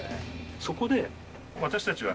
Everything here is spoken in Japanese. そこで私たちは。